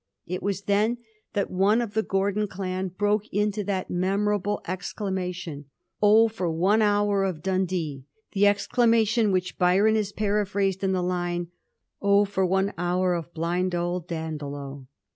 It was then that one of the Gordon clan broke into that memor able exclamation, ^Oh for one hour of Dundee!' — ^the exclamation which Byron has paraphrased in the line : Oh for one hour of blind old Dandolo